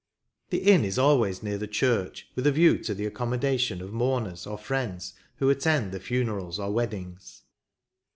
The inn is always near the church, with a view to the accommodation of mourners lo RiVERTON. or friends who attend the funerals or weddings.